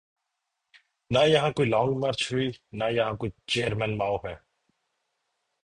نہ یہاں کوئی لانگ مارچ ہوئی ‘نہ یہاں کوئی چیئرمین ماؤ ہے۔